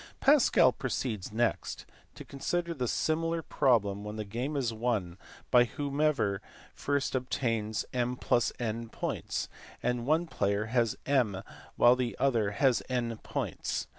Pascal proceeds next to consider the similar problem when the game is won by whoever first obtains m f n points, and one player has m while the other has n points.